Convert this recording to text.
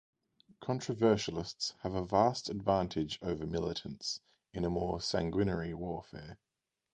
Controversialists have a vast advantage over militants in a more sanguinary warfare.